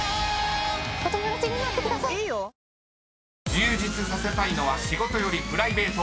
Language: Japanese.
［充実させたいのは仕事よりプライベート］